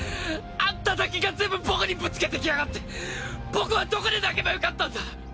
あんただけが全部僕にぶつけてきやがって僕はどこで泣けばよかったんだ